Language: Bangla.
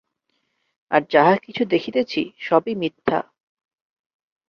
আর যাহা কিছু দেখিতেছি, সবই মিথ্যা।